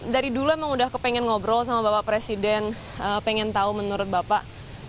dari dulu emang udah kepengen ngobrol sama bapak presiden pengen tahu menurut bapak